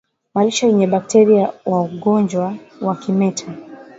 Malisho yenye bakteria wa ugonjwa wa kimeta